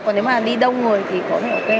còn nếu mà đi đông người thì có thể ok hơn